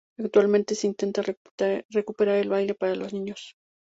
Actualmente se intenta recuperar el baile para los niños.